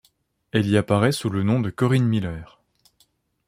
Elle y apparaît sous le nom de Corinne Miller.